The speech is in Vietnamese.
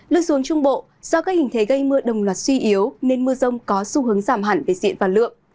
lưu xuống trung bộ do các hình thế gây mưa đồng loạt suy yếu nên mưa rông có xu hướng giảm hẳn về diện và lượng